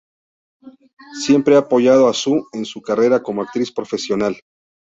Siempre han apoyado a Soo en su carrera como actriz profesional.